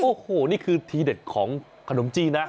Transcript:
โอ้โหนี่คือทีเด็ดของขนมจีนนะ